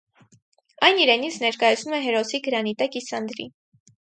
Այն իրենից ներկայացնում է հերոսի գրանիտե կիսանդրի։